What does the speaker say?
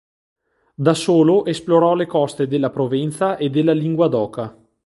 Da solo esplorò le coste della Provenza e della Linguadoca.